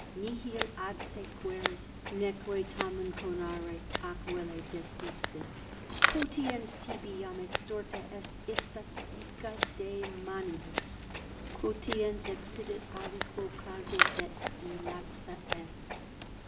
Nihil adsequeris, neque tamen conari ac velle desistis. Quotiens 16 tibi iam extorta est sica ista de manibus! quotiens excidit aliquo casu et elapsa est!